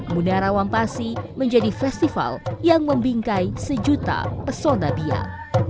munara wampasi menjadi festival yang membingkai sejuta pesona biar